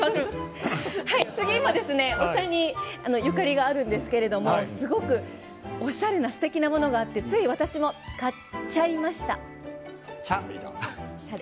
お茶にゆかりがあるんですけれどもすごくおしゃれなすてきなものがあってつい私も買っちゃいました。